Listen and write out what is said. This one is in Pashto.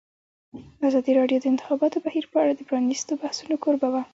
ازادي راډیو د د انتخاباتو بهیر په اړه د پرانیستو بحثونو کوربه وه.